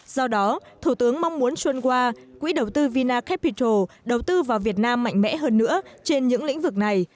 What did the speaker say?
do đó thủ tướng mong muốn sunwa quỹ đầu tư vinacapital đầu tư vào việt nam mạnh mẽ hơn nữa trên những lĩnh vực này